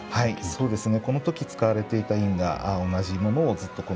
そうですね。